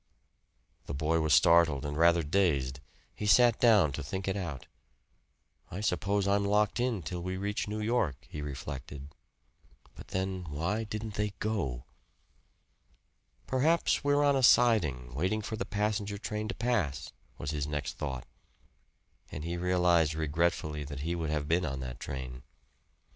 The boy was startled and rather dazed. He sat down to think it out. "I suppose I'm locked in till we reach New York," he reflected. But then, why didn't they go? "Perhaps we're on a siding, waiting for the passenger train to pass," was his next thought; and he realized regretfully that he would have been on that train.